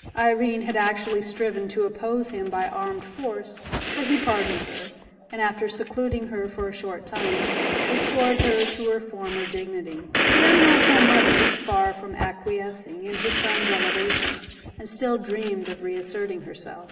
Irene had actually striven to oppose him by armed force, but he pardoned her, and after secluding her for a short time, restored her to her former dignity. The unnatural mother was far from acquiescing in her son's elevation, and still dreamed of reasserting herself.